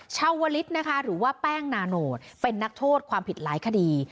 ชาวลิศนะคะหรือว่าแป้งนาโนตเป็นนักโทษความผิดหลายคดี